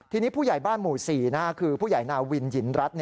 ทีนี้ผู้ใหญ่บ้านหมู่๔คือผู้ใหญ่นาวินหยินรัฐ